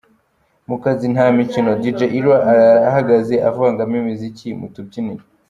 Mu kazi nta mikino Dj Ira arara ahagaze avangavanga imiziki mu tubyiniro.